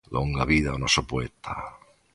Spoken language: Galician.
Longa vida ao noso poeta!